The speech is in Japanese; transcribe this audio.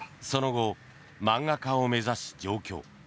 その後、漫画家を目指し上京。